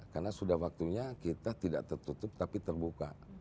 karena sudah waktunya kita tidak tertutup tapi terbuka